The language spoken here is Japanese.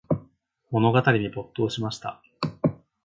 物語に没頭しました。